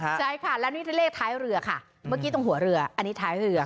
ใช่ค่ะแล้วนี่เลขท้ายเรือค่ะเมื่อกี้ตรงหัวเรืออันนี้ท้ายเรือ